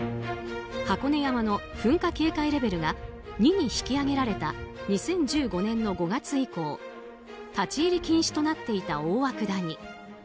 箱根山の噴火警戒レベルが２に引き上げられた２０１５年の５月以降立ち入り禁止となっていた大涌谷。